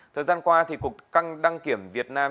thời gian qua thì cục căng đăng kiểm việt nam